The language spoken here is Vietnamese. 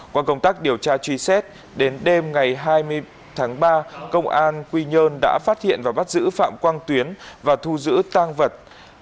qua công tác điều tra truy xét đến đêm ngày hai mươi tháng ba công an quy nhơn đã phát hiện và bắt giữ phạm quang tuyến và thu giữ tang vật